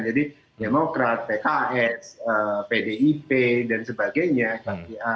jadi demokrat pks pdip dan sebagainya